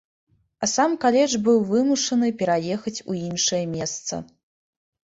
А сам каледж быў вымушаны пераехаць у іншае месца.